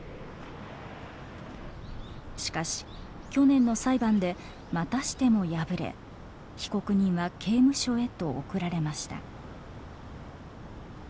しかし去年の裁判でまたしても敗れ被告人は刑務所へと送られました。